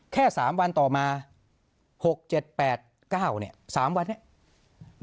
แค่๓วันต่อมา๖๗๘๙เนี่ย๓วันเนี่ย